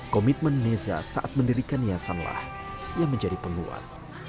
komitmen neza saat mendirikan niasanlah yang menjadi penuhan